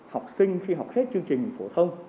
học sinh khi học hết chương trình phổ thông